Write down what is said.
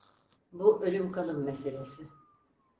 Bu ölüm kalım meselesi.